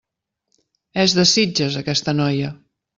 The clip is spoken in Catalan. És de Sitges, aquesta noia.